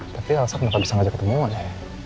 tapi elsa bisa ngajak ketemu aja ya